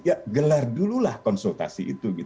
ya gelar dululah konsultasi itu